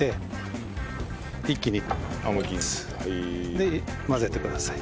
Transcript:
で混ぜてください。